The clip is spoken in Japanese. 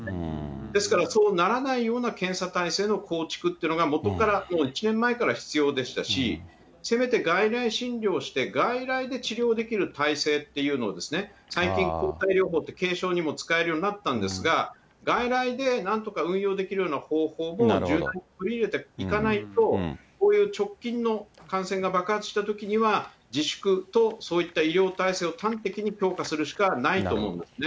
ですからそうならないような検査体制の構築っていうのが、元から、１年前から必要でしたし、せめて外来診療をして、外来で治療できる体制っていうのもですね、最近、抗体療法って軽症にも使えるようになったんですが、外来でなんとか運用できるような方法も十分取り入れていかないと、こういう直近の感染が爆発したときには、自粛とそういった医療体制を端的に強化するしかないと思うんです